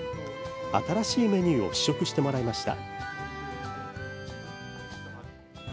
新しいメニューを試食してもらいました。